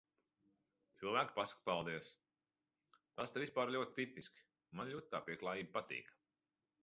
Cilvēki pasaka paldies. Tas te vispār ļoti tipiski, man ļoti tā pieklājība patīk.